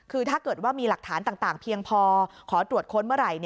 คือถ้าเกิดว่ามีหลักฐานต่างเพียงพอขอตรวจค้นเมื่อไหร่